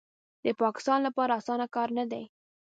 د پاکستان لپاره اسانه کار نه دی